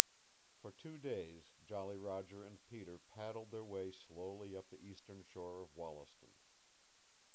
For two days Jolly Roger and Peter paddled their way slowly up the eastern shore of Wollaston.